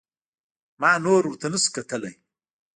ما نور ورته نسو کتلى.